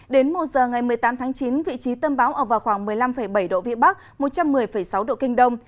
đến một giờ ngày một mươi tám tháng chín vị trí tâm bão ở vào khoảng một mươi năm bảy độ vĩ bắc một trăm một mươi sáu độ kinh đông